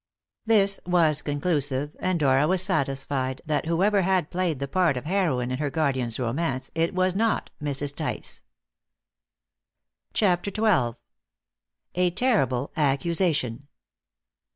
This was conclusive, and Dora was satisfied that, whoever had played the part of heroine in her guardian's romance, it was not Mrs. Tice. CHAPTER XII. A TERRIBLE ACCUSATION.